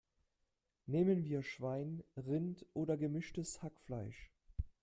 Nehmen wir Schwein, Rind oder gemischtes Hackfleisch?